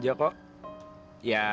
thank you youh